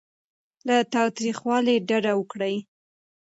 له تاوتریخوالي ډډه وکړئ.